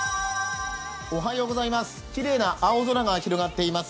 きれいな青空が広がっています。